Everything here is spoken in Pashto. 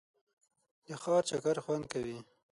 د ښار چکر خوند کوي.